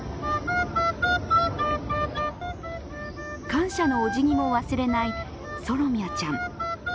感謝のおじぎも忘れないソロミャちゃん。